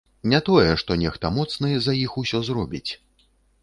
На тое, што нехта моцны за іх усё зробіць.